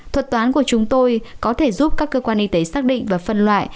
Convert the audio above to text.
thuật toán của chúng tôi có thể giúp các cơ quan y tế xác định và phân loại